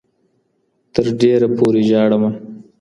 تر ډېــره پوري ژاړمه